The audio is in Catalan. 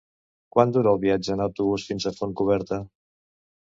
Quant dura el viatge en autobús fins a Fontcoberta?